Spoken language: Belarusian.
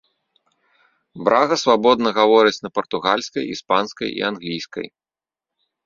Брага свабодна гаворыць на партугальскай, іспанскай і англійскай.